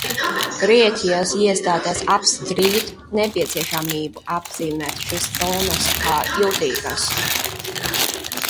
Grieķijas iestādes apstrīd nepieciešamību apzīmēt šīs zonas kā jutīgas.